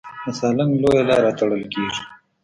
د سالنګ لویه لاره تړل کېږي.